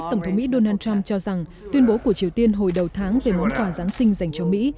tổng thống mỹ donald trump cho rằng tuyên bố của triều tiên hồi đầu tháng về món quà giáng sinh dành cho mỹ